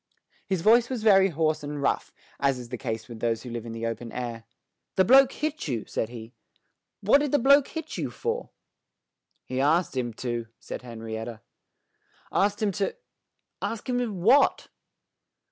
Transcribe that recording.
His voice was very hoarse and rough, as is the case with those who live in the open air. "The bloke hit you," said he. "What did the bloke hit you for?" "He asked him to," said Henrietta. "Asked him to asked him what?"